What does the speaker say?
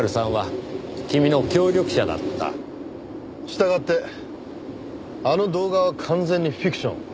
従ってあの動画は完全にフィクション。